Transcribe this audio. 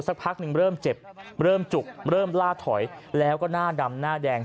สักพักหนึ่งเริ่มเจ็บเริ่มจุกเริ่มล่าถอยแล้วก็หน้าดำหน้าแดง